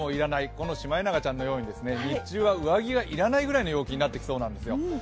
このシマエナガちゃんのように日中は上着が要らないぐらいの陽気になっていきそうなんですよ。